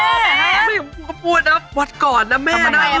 เพราะฉะกับคุณพูดวัดก่อนนะแม่